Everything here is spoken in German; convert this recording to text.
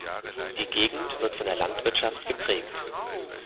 Die Gegend wird von der Landwirtschaft geprägt.